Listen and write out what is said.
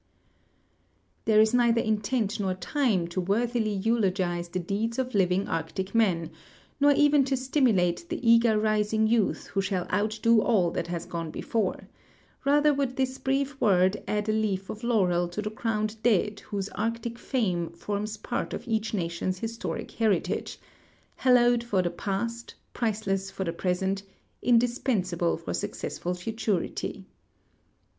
There is neither intent nor time to worthily eulogize the deeds of living Arctic men, nor even to stimulate the eager rising youth who shall outdo all that has gone before ; rather would this brief word add a leaf of laui'el to the crowned dead whose Arctic fame forms part of each nation's historic heritage — hallowed for the j)ast, priceless for the present, indispensable for successful fu turity.